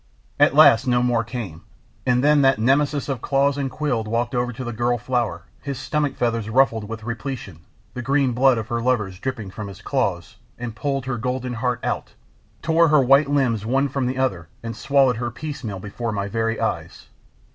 At last no more came, and then that Nemesis of claws and quills walked over to the girl flower, his stomach feathers ruffled with repletion, the green blood of her lovers dripping from his claws, and pulled her golden heart out, tore her white limbs one from the other, and swallowed her piecemeal before my very eyes!